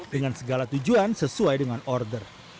dengan segala tujuan sesuai dengan order